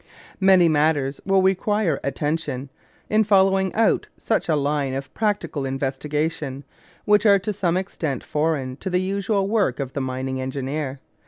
Many matters will require attention, in following out such a line of practical investigation, which are to some extent foreign to the usual work of the mining engineer.